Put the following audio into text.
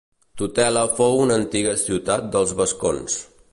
Tutela fou una antiga ciutat dels vascons.